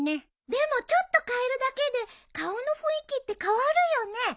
でもちょっと変えるだけで顔の雰囲気って変わるよね。